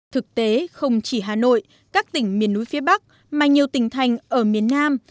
thực tế không chỉ hà nội các tỉnh miền núi phía bắc mà nhiều tỉnh thành ở miền nam